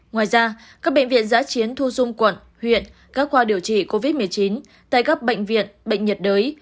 ngoài ra các bệnh viện giã chiến thu dung quận huyện các khoa điều trị covid một mươi chín tại các bệnh viện bệnh nhiệt đới